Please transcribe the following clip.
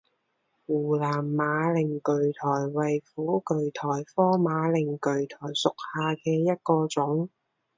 湖南马铃苣苔为苦苣苔科马铃苣苔属下的一个种。